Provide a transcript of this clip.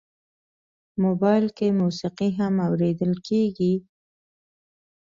موبایل کې موسیقي هم اورېدل کېږي.